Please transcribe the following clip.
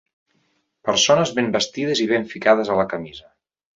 Persones ben vestides i ben ficades a la camisa.